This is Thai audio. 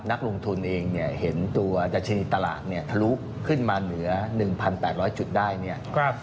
นักลงทุนเองเนี่ยเห็นตัวดัชนีตลาดเนี่ยทะลุขึ้นมาเหลือ๑๘๐๐จุดได้เนี่ย